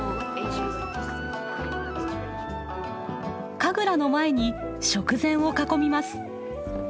神楽の前に食膳を囲みます。